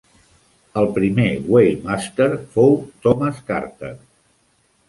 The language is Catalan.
El primer Waymaster fou Thomas Carter.